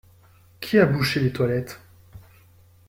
Qui a bouché les toilettes?